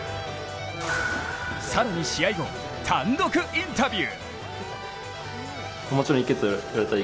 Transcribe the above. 更に試合後単独インタビュー。